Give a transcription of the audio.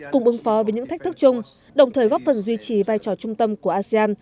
cùng ứng phó với những thách thức chung đồng thời góp phần duy trì vai trò trung tâm của asean